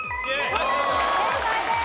正解です。